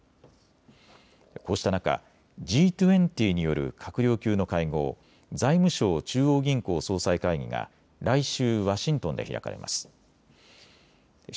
こうした中、Ｇ２０による閣僚級の会合、財務相・中央銀行総裁会議が来週、ワシントンで開かれます。